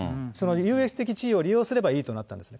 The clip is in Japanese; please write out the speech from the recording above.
優越的地位を利用すればいいとなったんですね。